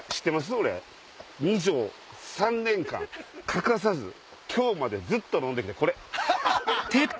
俺２錠３年間欠かさず今日までずっと飲んで来てこれ。